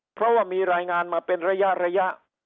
เพราะว่ามีรายงานมาเป็นระยะ